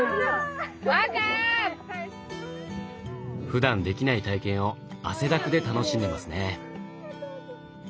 ふだんできない体験を汗だくで楽しんでますね。